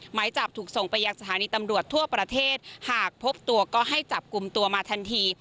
หมายจับถูกส่งไปยังสถานีตำรวจทั่วประเทศหากพบตัวก็ให้จับกลุ่มตัวมาทันที